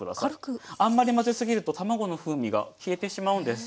あんまり混ぜすぎると卵の風味が消えてしまうんです。